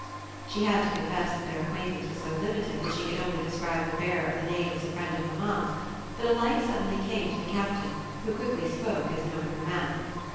She had to confess that their acquaintance was so limited that she could only describe the bearer of the name as a friend of mamma's; but a light suddenly came to the Captain, who quickly spoke as knowing her man.